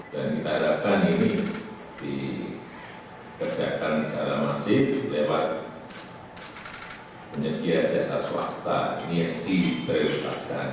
dan kita harapkan ini dikerjakan secara masif lewat penyediaan jasa swasta ini yang diperlutaskan